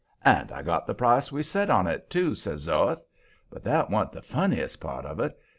"And I got the price we set on it, too," says Zoeth. "But that wa'n't the funniest part of it.